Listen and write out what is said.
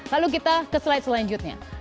lalu kita ke slide selanjutnya